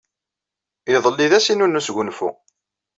Iḍelli d ass-inu n wesgunfu.